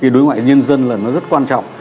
đối ngoại nhân dân là nó rất quan trọng